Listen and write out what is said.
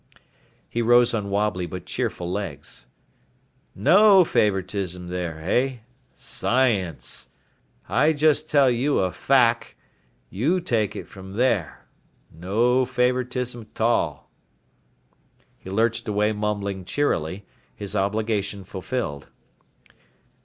He rose on wobbly but cheerful legs. "No favoritism there, hey? Science. I just tell you a fack, you take it from there. No favoritism tall." He lurched away mumbling cheerily, his obligation fulfilled.